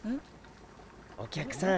お客さん